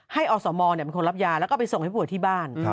ให้อสมมันคงรับยาแล้วก็ไปส่งให้ผู้ป่วยที่บ้าน